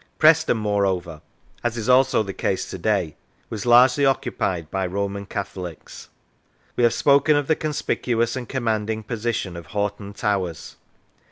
Preston, moreover, as is also the case to day, was largely occupied by Roman Catholics. We have spoken of the conspicuous and command ing position of Hoghton Towers.